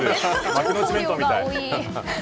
幕の内弁当みたい。